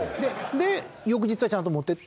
で翌日はちゃんと持っていって。